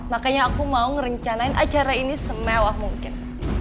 makanya aku mau ngerencanain acara ini semewah mungkin